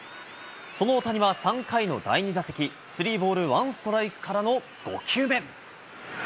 その大谷は３回の第２打席、スリーボールワンストライクからの５球目。